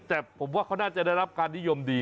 แต่ผมว่าเขาน่าจะได้รับการนิยมดี